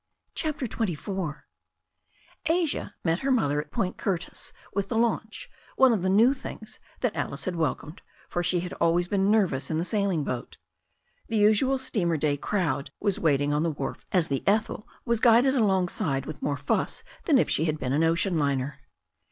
CHAPTER XXIV ASIA met her mother at Point Curtis with the; launch, one of the new things that Alice had wel comed, for she had always been nervous in the sailing boat. The usual steamer day crowd was waiting on the wharf as the Ethel was guided alongside with more fuss than if she had been an ocean liner.